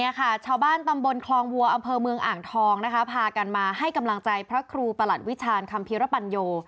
นี่ค่ะชาวบ้านตำบลคลองวัวอำเภอเมืองอ่างทองนะคะพากันมาให้กำลังใจพระครูประหลัดวิชาณคำพิรปัญโย